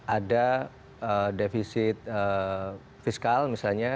ada defisit fiskal misalnya